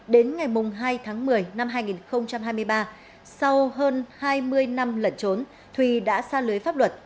đến ngày hai tháng một mươi năm hai nghìn hai mươi ba sau hơn hai mươi năm lẩn trốn thùy đã xa lưới pháp luật